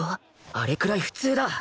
あれくらい普通だ